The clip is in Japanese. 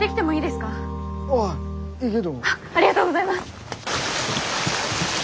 ありがとうございます。